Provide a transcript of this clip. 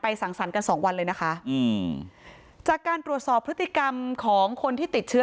สั่งสรรค์กันสองวันเลยนะคะอืมจากการตรวจสอบพฤติกรรมของคนที่ติดเชื้อ